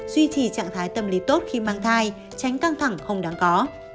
duy trì trạng thái tâm lý tốt khi mang thai tránh căng thẳng không đáng có